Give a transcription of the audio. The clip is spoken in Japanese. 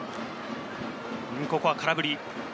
ここは空振り。